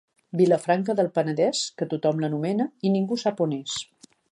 Vilafranca del Penedès, que tothom l'anomena i ningú sap on és.